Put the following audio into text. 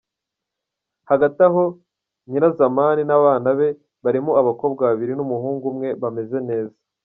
Hagati aho Nyirazamani n’abana be barimo abakobwa babiri n’umuhungu umwe bameze neza.